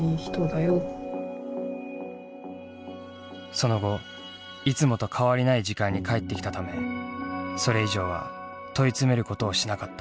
その後いつもと変わりない時間に帰ってきたためそれ以上は問い詰めることをしなかった。